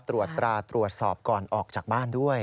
ตรวจตราตรวจสอบก่อนออกจากบ้านด้วย